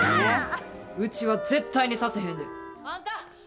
ウチは、絶対にさせへんで！